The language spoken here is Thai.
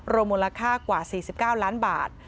มูลค่ากว่า๔๙ล้านบาท